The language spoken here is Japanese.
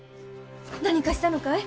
何かしたのかい？